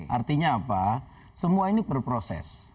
artinya apa semua ini berproses